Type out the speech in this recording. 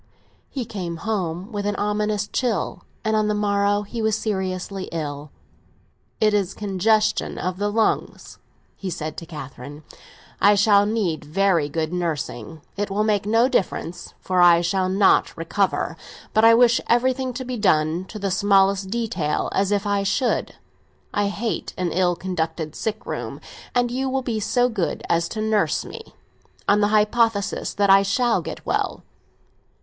He came home with an ominous chill, and on the morrow he was seriously ill. "It is congestion of the lungs," he said to Catherine; "I shall need very good nursing. It will make no difference, for I shall not recover; but I wish everything to be done, to the smallest detail, as if I should. I hate an ill conducted sick room; and you will be so good as to nurse me on the hypothesis that I shall get well."